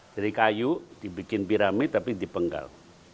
jadi kayu dibuat piramid tapi dipenggal